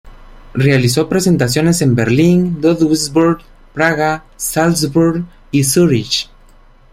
Realizó presentaciones en Berlín, Ludwigsburg, Praga, Salzburgo y Zúrich.